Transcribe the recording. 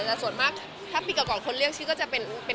แต่ส่วนมากถ้าปีก่อนคนเรียกชื่อก็จะเป็น